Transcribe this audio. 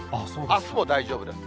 あすも大丈夫です。